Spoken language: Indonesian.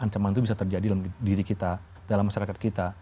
karena ancaman itu bisa terjadi dalam diri kita dalam masyarakat kita